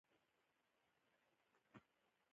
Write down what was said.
خو تا ویل چې مخامخ در ته ولاړ دی!